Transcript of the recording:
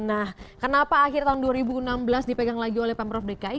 nah kenapa akhir tahun dua ribu enam belas dipegang lagi oleh pemprov dki